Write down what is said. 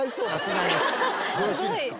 よろしいですか？